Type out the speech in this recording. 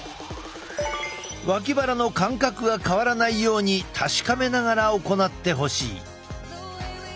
脇腹の間隔が変わらないように確かめながら行ってほしい。